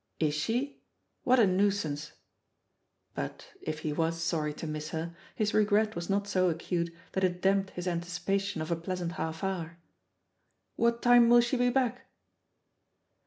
"Is she? What a nuisance I" But if he was sorry to miss her, his regret was not so acute that it damped his anticipation of a pleasant half hour. "What time will she be back?"